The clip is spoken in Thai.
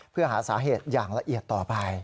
เพื่อหาสาเหตุอย่างละเอียดต่อไป